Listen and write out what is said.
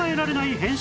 変身！